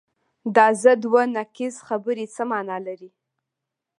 دا ضد و نقیض خبرې څه معنی لري؟